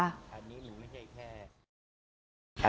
อันนี้มันไม่ใช่แค่